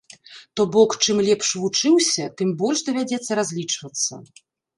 То бок, чым лепш вучыўся, тым больш давядзецца разлічвацца.